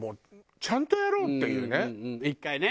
１回ね。